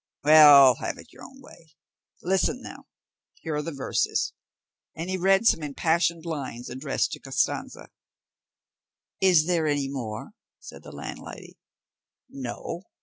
"Well, have it your own way. Listen now, here are the verses;" and he read some impassioned lines addressed to Costanza. "Is there any more?" said the landlady. "No.